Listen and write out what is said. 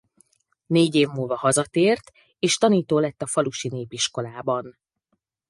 Négy év múlva hazatért és tanító lett a falusi népiskolában.